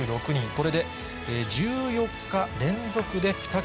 これで１４日連続で２桁。